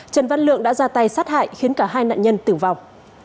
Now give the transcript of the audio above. trần văn lượng đã ra tay sát hại khiến cả hai nạn nhân tử vong